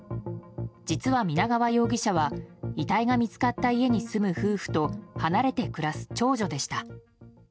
実は皆川容疑者は遺体が見つかった家に住む夫婦と離れて暮らす長女でした。